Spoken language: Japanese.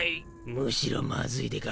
むしろまずいでガシ。